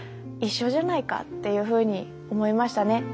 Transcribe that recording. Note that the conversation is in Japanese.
一緒じゃないかっていうふうに思いましたね。